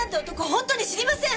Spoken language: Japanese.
本当に知りません！